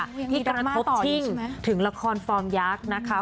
อุ้ยังมีดราม่าต่อยู่ใช่มั้ยถึงละครฟอร์มยากนะคะ